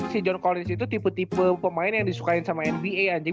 si john collens itu tipe tipe pemain yang disukain sama nba anjing